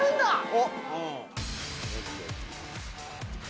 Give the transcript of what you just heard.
おっ。